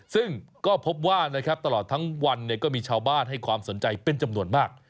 ซึ่งก็พบว่านะครับตลอดทั้งวันก็มีชาวบ้านให้ความสนใจเป็นจำนวนมาก